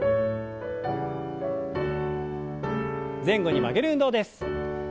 前後に曲げる運動です。